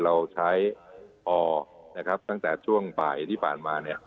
เราใช้ออกตั้งแต่ช่วงป่ายที่ผ่านมา